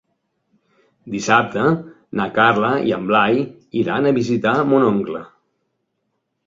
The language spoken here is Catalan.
Dissabte na Carla i en Blai iran a visitar mon oncle.